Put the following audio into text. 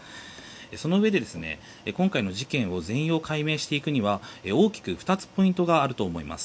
そのうえで今回の事件を全容解明していくには大きく２つポイントがあると思います。